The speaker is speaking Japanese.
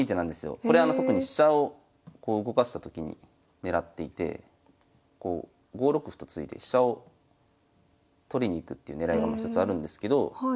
これあの特に飛車をこう動かしたときに狙っていて５六歩と突いて飛車を取りに行くっていう狙いがもう一つあるんですけど